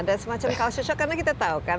dan semacam kalau sesok karena kita tahu kan